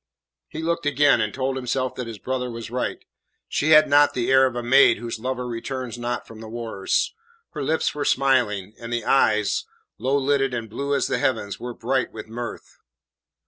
He looked again, and told himself that his brother was right; she had not the air of a maid whose lover returns not from the wars. Her lips were smiling, and the eyes low lidded and blue as the heavens were bright with mirth.